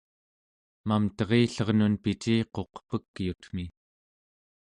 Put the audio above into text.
mamterillernun piciquq pekyutmi